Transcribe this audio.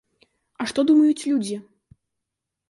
А што думаюць людзі?